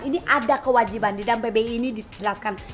ini ada kewajiban di dalam pbi ini dijelaskan